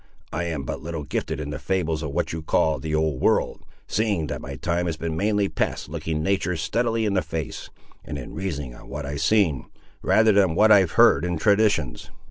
I am but little gifted in the fables of what you call the Old World, seeing that my time has been mainly passed looking natur' steadily in the face, and in reasoning on what I've seen, rather than on what I've heard in traditions.